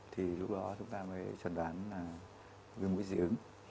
thì lúc đó chúng ta mới chẳng đoán là viêm mũi dị ứng